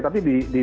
tapi di indonesia